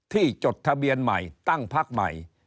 จดทะเบียนใหม่ตั้งพักใหม่